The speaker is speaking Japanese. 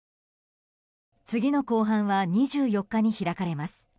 次の公判は２４日に開かれます。